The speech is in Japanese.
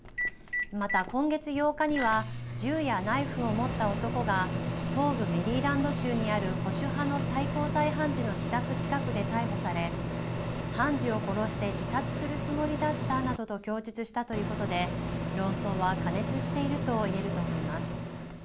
また、今月８日には銃やナイフを持った男が東部メリーランド州にある保守派の最高裁判事の自宅近くで逮捕され判事を殺して自殺するつもりだったなどと供述したということで論争は過熱しているといえると思います。